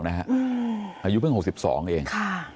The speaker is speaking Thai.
อายุเพิ่ง๖๒เอง